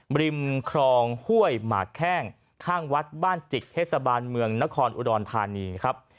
บริมครองห้วยหมากแข้งข้างวัดบ้านจิกเทศบาลเมืองนครอุดรธานีครับ